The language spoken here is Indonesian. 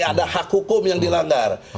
ada hak hukum yang dilanggar